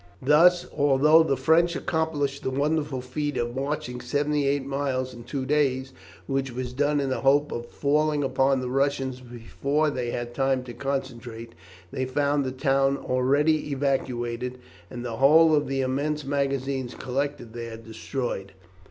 Thus, although the French accomplished the wonderful feat of marching seventy eight miles in two days, which was done in the hope of falling upon the Russians before they had time to concentrate, they found the town already evacuated, and the whole of the immense magazines collected there destroyed.